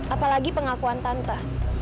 apalagi pengakuan tante